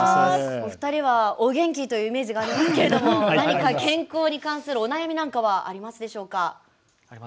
お二人はお元気というイメージがありますが何か健康に関するお悩みありますでしょうか？